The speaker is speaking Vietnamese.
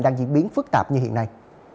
đang diễn biến phức tạp như hiện nay